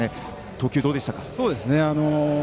投球どうでしたか？